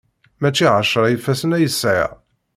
Mačči ɛecra ifassen ay sɛiɣ!